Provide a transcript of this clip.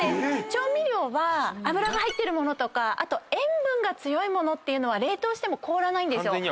調味料は油が入ってる物とか塩分が強い物っていうのは冷凍しても凍らないんですよ。